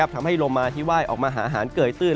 ทำให้โลมาที่ไหว้ออกมาหาอาหารเกยตื้น